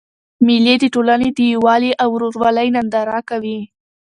مېلې د ټولني د یووالي او ورورولۍ ننداره کوي.